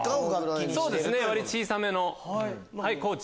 そうですね割と小さめの。地。